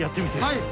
はい。